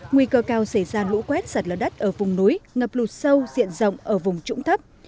nguy cơ cao xảy ra lũ quét sạt lở đất ở vùng núi ngập lụt sâu diện rộng ở vùng trũng thấp